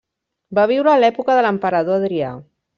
Va viure a l'època de l'emperador Adrià.